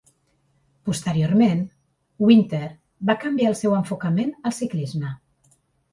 Posteriorment, Wynter va canviar el seu enfocament al ciclisme.